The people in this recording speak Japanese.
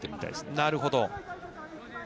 なるほど。